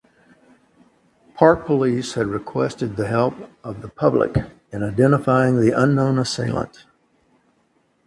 Park Police had requested the help of the public in identifying the unknown assailant.